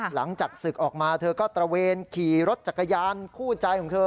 หลังจากศึกออกมาเธอก็ตระเวนขี่รถจักรยานคู่ใจของเธอ